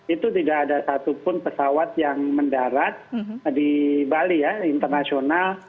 itu tidak ada satupun pesawat yang mendarat di bali ya internasional